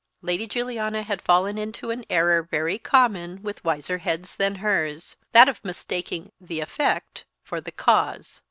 Lady Juliana had fallen into an error very common with wiser heads than hers that of mistaking the effect for the _cause.